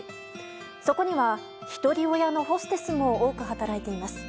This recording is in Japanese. そこには、ひとり親のホステスも多く働いています。